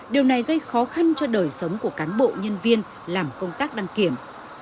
điều này gây khó khăn cho đời sống của cán bộ nhân viên làm công tác đăng kiểm